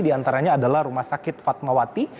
di antaranya adalah rumah sakit fatmawati